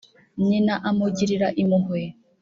nyina amugirira impuhwe